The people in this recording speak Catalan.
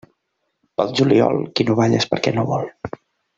Pel juliol, qui no balla és perquè no vol.